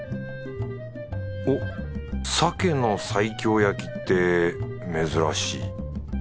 おっサケの西京焼きって珍しい。